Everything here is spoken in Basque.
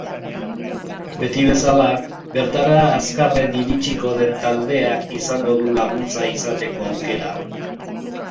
Beti bezala, bertara azkarren iritsiko den taldeak izango du laguntza izateko aukera.